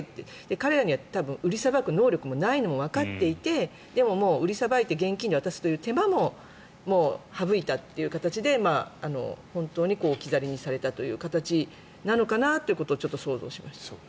彼らには多分、売りさばく能力もないのもわかっていてでも、売りさばいて現金で渡すという手間も省いたという形で本当に置き去りにされたという形なのかなってことをちょっと想像しました。